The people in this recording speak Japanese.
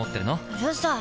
うるさい！